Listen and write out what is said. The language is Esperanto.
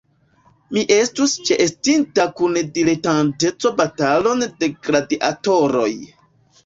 Mi estus ĉeestinta kun diletanteco batalon de gladiatoroj.